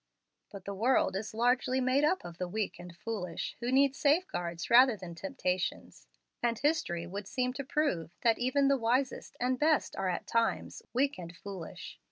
"But the world is largely made up of the weak and foolish, who need safeguards rather than temptations. And history would seem to prove that even the wisest and best are at times 'weak and foolish.'